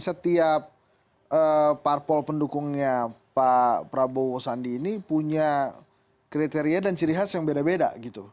setiap parpol pendukungnya pak prabowo sandi ini punya kriteria dan ciri khas yang berbeda